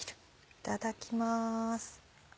いただきます。